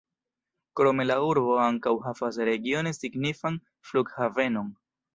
Krome la urbo ankaŭ havas regione signifan flughavenon.